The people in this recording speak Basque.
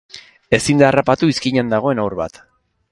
Ezin da harrapatu izkinan dagoen haur bat.